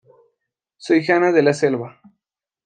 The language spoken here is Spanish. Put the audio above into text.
Soy Jana de la selva".